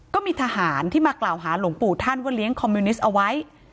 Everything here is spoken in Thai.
ก็มีทหารที่มากล่าวหาหลวงปู่ท่านว่าเลี้ยงคอมมิวนิสต์เอาไว้